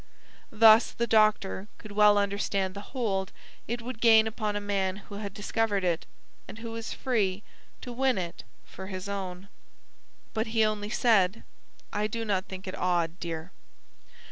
Thus the doctor could well understand the hold it would gain upon a man who had discovered it, and who was free to win it for his own. But he only said, "I do not think it odd, dear."